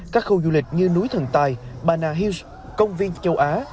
các khu du lịch như núi thần tài bana hills công viên châu á